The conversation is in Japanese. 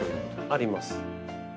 あります。